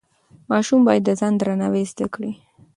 ماشوم باید د ځان درناوی زده کړي.